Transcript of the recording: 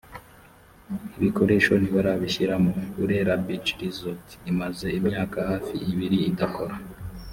ibikoresho ntibarabishyiramo burera beach resort imaze imyaka hafi ibiri idakora